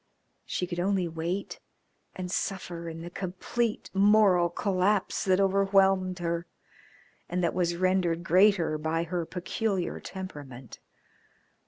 She could only wait and suffer in the complete moral collapse that overwhelmed her, and that was rendered greater by her peculiar temperament.